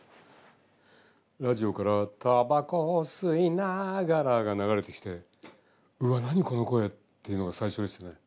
ラジオから「たばこを吸いながら」が流れてきて「うわ何この声？」というのが最初でしたね。